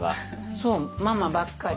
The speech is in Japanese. そうママばっかり。